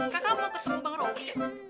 kakak mau ketemu bang robi